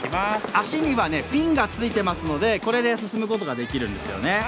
足にはフィンがついていますのでこれで進むことができるんですよね。